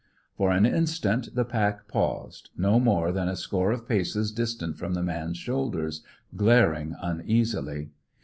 For an instant the pack paused, no more than a score of paces distant from the man's shoulders, glaring uneasily.